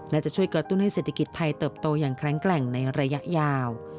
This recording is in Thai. และจะช่วยกระตุ้นให้เศรษฐกิจไทยเติบโตอย่างแข็งแกร่งในระยะยาว